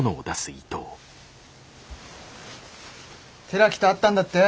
寺木と会ったんだって？